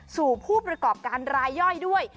ผู้ประกอบการรายย่อยด้วย